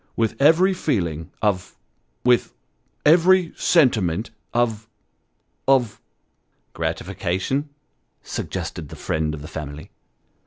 With every feeling of with every sentiment of of "" Gratification " suggested the friend of the family.